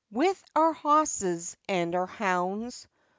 With our bosses and our hounds, &c.